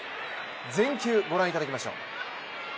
全球、御覧いただきましょう。